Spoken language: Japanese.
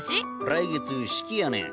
来月式やねん。